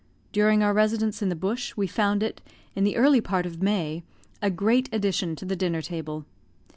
During our residence in the bush we found it, in the early part of May, a great addition to the dinner table.